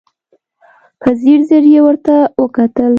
په ځير ځير يې ورته وکتل.